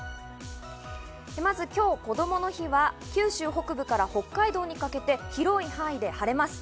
まず今日こどもの日は九州北部から北海道にかけて広い範囲で晴れます。